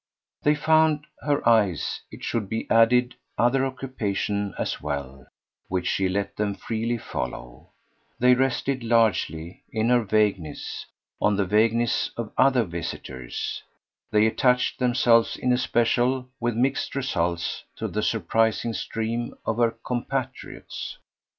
They found, her eyes, it should be added, other occupation as well, which she let them freely follow: they rested largely, in her vagueness, on the vagueness of other visitors; they attached themselves in especial, with mixed results, to the surprising stream of her compatriots.